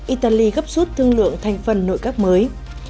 italy gấp rút thương lượng thành phần nội các mới